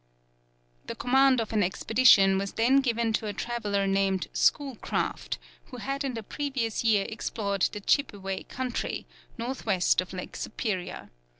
The command of an expedition was then given to a traveller named Schoolcraft, who had in the previous year explored the Chippeway country, north west of Lake Superior.